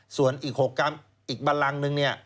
ส่วนอีก๖กรรมอีกบันรังหนึ่ง